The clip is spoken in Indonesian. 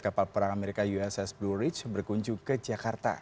kapal perang amerika uss blue rich berkunjung ke jakarta